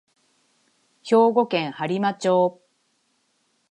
兵庫県播磨町